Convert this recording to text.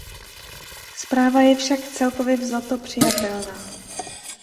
Zpráva je však, celkově vzato, přijatelná.